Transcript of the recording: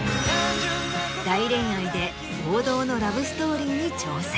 『大恋愛』で王道のラブストーリーに挑戦。